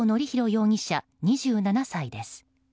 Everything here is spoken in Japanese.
容疑者、２７歳です。